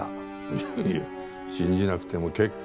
いやいや信じなくても結構。